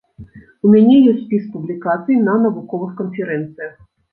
У мяне ёсць спіс публікацый на навуковых канферэнцыях.